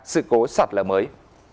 sự cố sạt lở mới